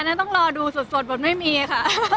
อ๋ออันนั้นต้องรอดูสดบ่หน้ามีอะคะ